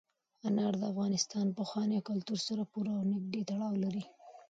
انار د افغانستان له پخواني کلتور سره پوره او نږدې تړاو لري.